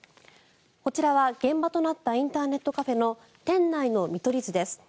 こちらは、現場となったインターネットカフェの店内の見取り図です。